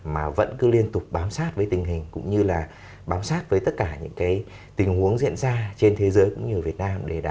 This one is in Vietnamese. mà vẫn cứ liên tục bám sát với tình hình cũng như là bám sát với tất cả những cái tình huống diễn ra trên thế giới cũng như việt nam